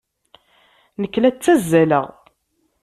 Nekk la ttazzaleɣ.